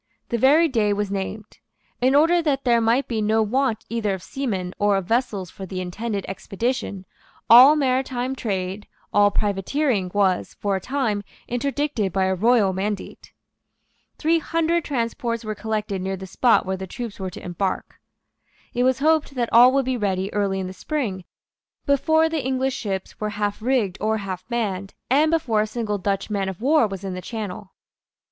The very day was named. In order that there might be no want either of seamen or of vessels for the intended expedition, all maritime trade, all privateering was, for a time, interdicted by a royal mandate. Three hundred transports were collected near the spot where the troops were to embark. It was hoped that all would be ready early in the spring, before the English ships were half rigged or half manned, and before a single Dutch man of war was in the Channel.